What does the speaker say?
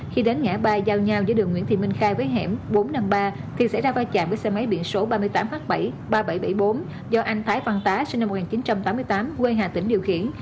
khi đến ngã ba giao nhau giữa đường nguyễn thị minh khai với hẻm bốn trăm năm mươi ba thì xảy ra va chạm với xe máy biển số ba mươi tám h bảy ba nghìn bảy trăm bảy mươi bốn do anh thái văn tá sinh năm một nghìn chín trăm tám mươi tám quê hà tĩnh điều khiển